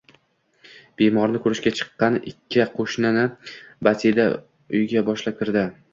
Bemorni ko‘rishga chiqqan ikki qo‘shnini Basida uyga boshlab kirdi